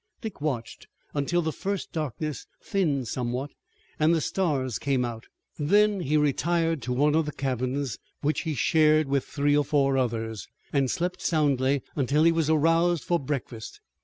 Dick watched until the first darkness thinned somewhat, and the stars came out. Then he retired to one of the cabins, which he shared with three or four others, and slept soundly until he was aroused for breakfast.